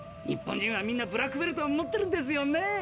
日本人はみんなブラックベルトを持ってるんですよね？